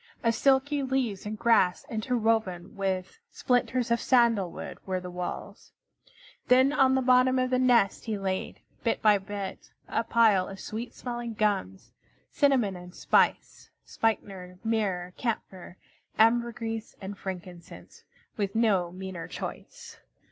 Of silky leaves and grass interwoven with splinters of sandal wood were the walls. Then on the bottom of the nest he laid, bit by bit, a pile of sweet smelling gums, cinnamon and spice, spikenard, myrrh, camphor, ambergris, and frankincense, with no meaner choice.